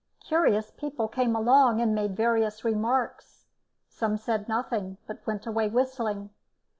Curious people came along and made various remarks; some said nothing, but went away whistling.